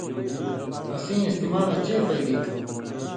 اسیں استعمالاں چے فَیدی تھو۔